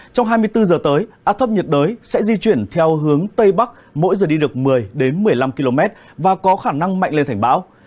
trong hai mươi bốn giờ tới áp thấp nhiệt đới sẽ di chuyển theo hướng tây bắc mỗi giờ đi được một mươi một mươi năm km và có khả năng mạnh lên thành bão